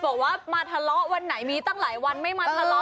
บอกว่ามาทะเลาะวันไหนมีตั้งหลายวันไม่มาทะเลาะ